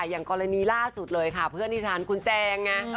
จักรวรรณีร่าสุดเลยค่ะเพื่อนฉันคุณแจง